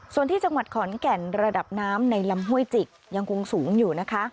ส่วนที่จังหวัดขอนแก่นระดับน้ำในลำห้วยจิกยังคงสูงอยู่นะคะ